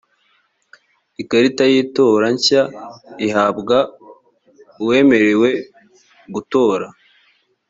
ikarita y itora nshya ihabwa uwemerewe gutora